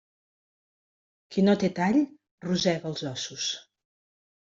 Qui no té tall rosega els ossos.